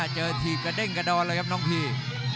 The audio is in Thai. ถีบกระเด้งกระดอนเลยครับน้องพี